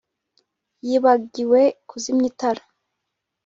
yibagiwe kuzimya itara